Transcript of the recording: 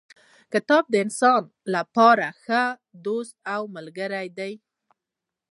کتاب د انسان لپاره ښه دوست او ملګری دی.